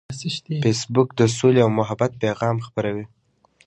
فېسبوک د سولې او محبت پیغام خپروي